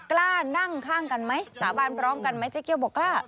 กล้านั่งข้างกันไหมสาบานพร้อมกันไหมเจ๊เกี้ยวบอกกล้า